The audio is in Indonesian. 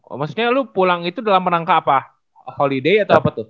oh maksudnya lu pulang itu dalam rangka apa holiday atau apa tuh